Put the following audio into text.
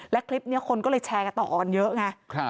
และคลิปนี้คนก็เลยแชร์กันต่อออนเยอะไง